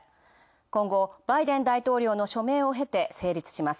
今後、バイデン大統領の署名を経て、成立します。